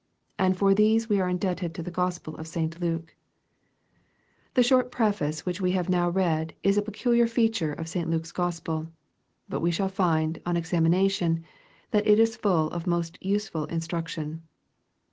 And for theso we are indebted to the Gospel of St. Luke. i 2 EXPOSITOBT THOUGHTS. The short preface which we have now read is a pecu liar feature of St. Luke's Gospel. But we shall find, on examination, that it is full of most useful instruction.